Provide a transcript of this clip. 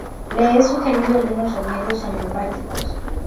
Le he sugerido algunos remedios homeopáticos.